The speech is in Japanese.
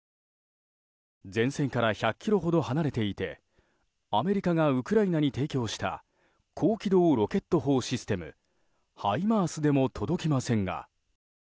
前線から１００ｋｍほど離れていてアメリカがウクライナに提供した高軌道ロケット砲システムハイマースでも届きませんが。